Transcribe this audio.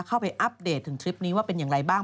อัปเดตถึงทริปนี้ว่าเป็นอย่างไรบ้าง